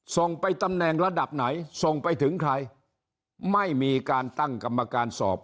ส่งไปตำแหน่งระดับไหนส่งไปถึงใครไม่มีการตั้งกรรมการสอบ